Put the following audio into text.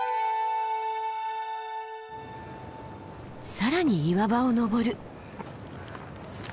更に岩場を登る。